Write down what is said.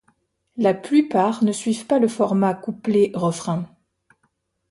La plupart ne suivent pas le format couplet-refrain.